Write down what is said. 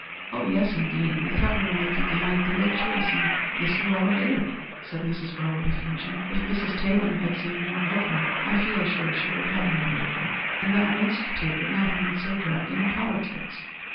"Oh, yes, indeed. We thought we were making an ideal choice in Miss Luella Bailey," said Mrs. Earle with effusion. "If Mrs. Taylor had seen more of her, I feel sure she would have admired her, and then our Institute would not have been dragged into politics."